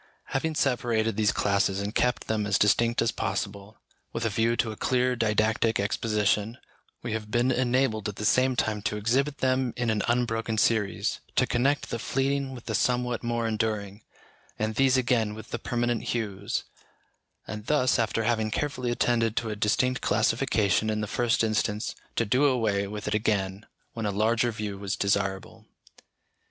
Having separated these classes and kept them as distinct as possible, with a view to a clear, didactic exposition, we have been enabled at the same time to exhibit them in an unbroken series, to connect the fleeting with the somewhat more enduring, and these again with the permanent hues; and thus, after having carefully attended to a distinct classification in the first instance, to do away with it again when a larger view was desirable.